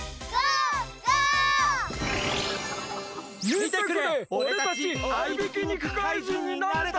みてくれ！